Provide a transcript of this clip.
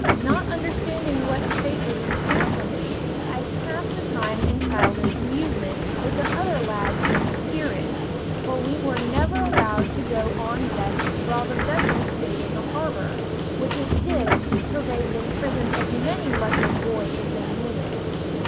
Not understanding what a fate was in store for me, I passed the time in childish amusement with the other lads in the steerage, for we were never allowed to go on deck while the vessel stayed in the harbor, which it did till they had imprisoned as many luckless boys as they needed.